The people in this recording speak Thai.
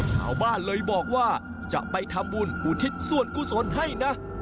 ชาวบ้านเลยบอกว่าจะไปทำบุญอุทิศส่วนกุศลให้นะ